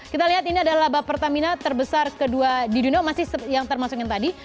kita lihat ini adalah bab pertamina terbesar kedua di dunia masih yang termasuk yang tadi